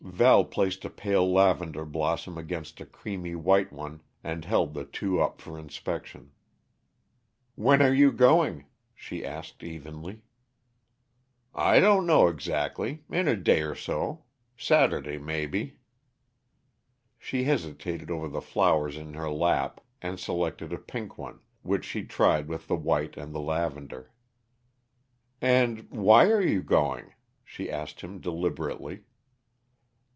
Val placed a pale lavender blossom against a creamy white one, and held the two up for inspection. "When are you going?" she asked evenly. "I don't know exactly in a day or so. Saturday, maybe." She hesitated over the flowers in her lap, and selected a pink one, which she tried with the white and the lavender. "And why are you going?" she asked him deliberately.